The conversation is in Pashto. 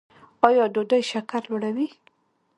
ایا ډوډۍ شکر لوړوي؟